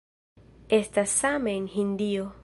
Estas same en Hindio.